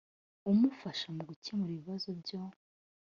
umufasha mu gukemura ibibazo byo